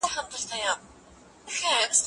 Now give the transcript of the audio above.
استاد باید شاګرد ته ښه کتابونه ور وښيي.